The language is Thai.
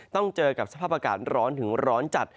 ต้องเจอกับสภาพอากาศร้อนถึงร้อนจัด